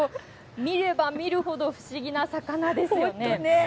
見れば見るほど不思議な魚ですよ本当ね。